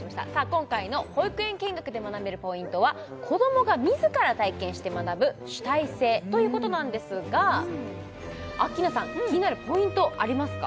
今回の保育園見学で学べるポイントは子どもが自ら体験して学ぶ主体性ということなんですがアッキーナさん気になるポイントありますか？